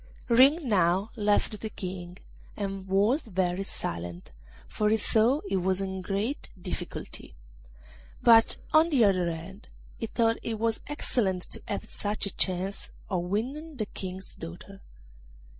Ring now left the King, and was very silent, for he saw he was in a great difficulty: but, on the other hand, he thought it was excellent to have such a chance of winning the King's daughter.